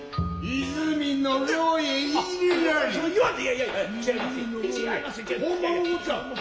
和泉の牢へ入れられて。